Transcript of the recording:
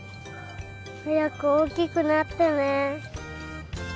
はやくおおきくなってねえ。